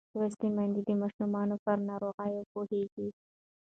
لوستې میندې د ماشوم پر ناروغۍ پوهېږي.